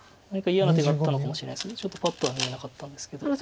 何か嫌な手があったのかもしれないですがちょっとパッとは見えなかったんですけど。